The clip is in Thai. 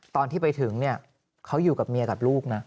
ตอนที่ไปถึงเนี่ยเขาอยู่กับเมียกับลูกนะ